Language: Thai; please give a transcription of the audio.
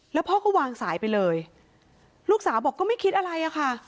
แล้วพ่อก็วางสายไปเลยลูกสาวบอกก็ไม่คิดอะไรอะค่ะ